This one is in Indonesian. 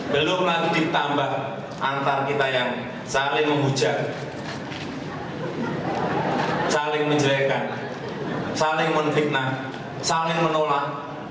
belum lagi ditambah antar kita yang saling menghujat saling menjelekan saling menfitnah saling menolak